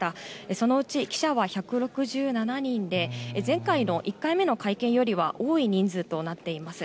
そのうち記者は１６７人で、前回の１回目の会見寄りは多い人数となっています。